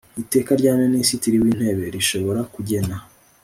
Iteka rya minisitiri w intebe rishobora kugena